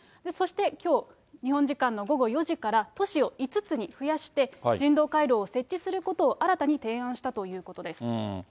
そしてきょう、日本時間の午後４時から、都市を５つに増やして、人道回廊を設置することを新たに提案したということです。